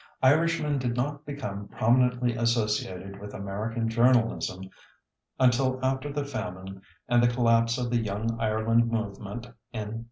Irishmen did not become prominently associated with American journalism until after the Famine and the collapse of the Young Ireland movement in 1848.